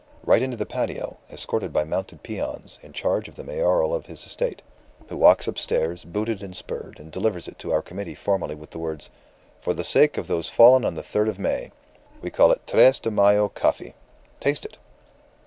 right into the patio, escorted by mounted peons, in charge of the Mayoral of his estate, who walks upstairs, booted and spurred, and delivers it to our committee formally with the words, 'For the sake of those fallen on the third of May.' We call it Tres de Mayo coffee. Taste it."